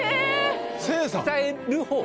伝えるほう？